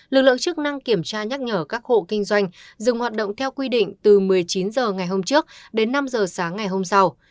lực lượng chức năng kiểm tra nhắc nhở các hộ kinh doanh dừng hoạt động theo quy định từ một mươi chín h ngày hôm trước đến năm h sáng ngày hôm sau